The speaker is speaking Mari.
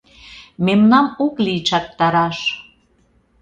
Мемнам ок лий чактараш.